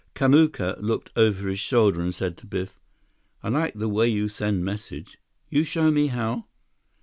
Kamuka looked over his shoulder and said to Biff, "I like the way you send message. You show me how?"